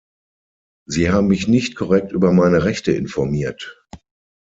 Sie haben mich nicht korrekt über meine Rechte informiert!